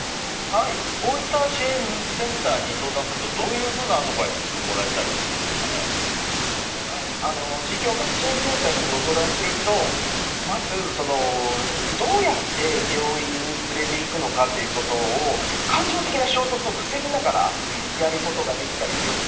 こういった支援センターに相談するとどういうふうなアドバイスを地域包括支援センターにご相談するとまず、どうやって病院に連れていくのかということを感情的な衝突を防ぎながらやることができたりするんです。